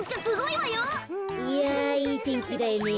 いやいいてんきだよね。